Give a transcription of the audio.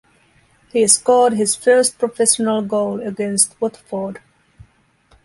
He scored his first professional goal against Watford.